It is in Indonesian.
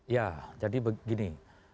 ya jadi begini